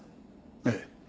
ええ。